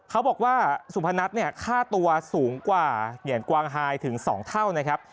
เขาบอกว่าสุพนัทเนี่ยค่าตัวสูงกว่าเหงียนกวางไฮถึง๒เท่านะครับ